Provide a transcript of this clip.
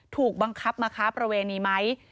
ถูกบังคับมาค้าประเวณีไหม